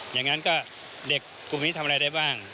อย่างนั้นก็เด็กกลุ่มนี้ทำอะไรได้บ้าง